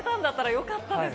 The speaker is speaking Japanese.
よかったです